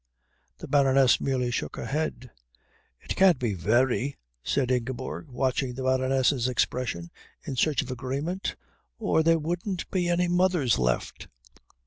The Baroness merely shook her head. "It can't be very" said Ingeborg, watching the Baroness's expression in search of agreement, "or there wouldn't be any mothers left."